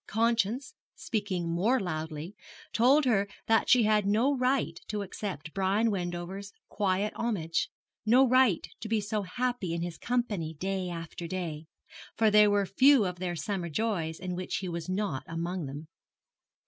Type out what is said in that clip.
Conscience, speaking more loudly, told her that she had no right to accept Brian Wendover's quiet homage, no right to be so happy in his company day after day; for there were few of their summer joys in which he was not among them.